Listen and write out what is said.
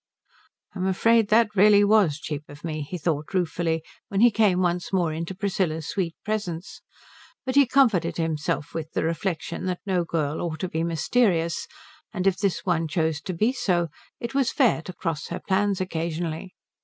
"I'm afraid that really was cheap of me," he thought ruefully, when he came once more into Priscilla's sweet presence; but he comforted himself with the reflection that no girl ought to be mysterious, and if this one chose to be so it was fair to cross her plans occasionally.